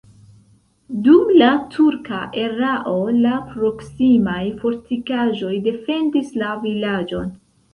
Dum la turka erao la proksimaj fortikaĵoj defendis la vilaĝon.